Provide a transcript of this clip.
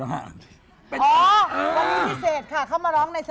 อ๋อวันนี้พิเศษค่ะเขามาร้องใน